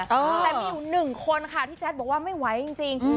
และมีอยู่๑คนค่ะที่แจ๊ดบอกว่าไม่ไหวจริง